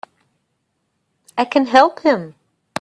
I can help him!